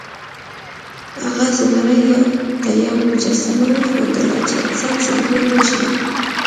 هغه زمري ته یوه مجسمه وښودله چې انسان زمری وژني.